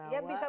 ya bisa benar